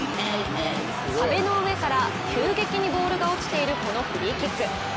壁の上から急激にボールが落ちている、このフリーキック。